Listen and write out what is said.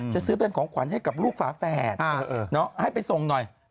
จะซื้อเป็นของขวัญให้กับลูกฝาแฝดให้ไปส่งหน่อย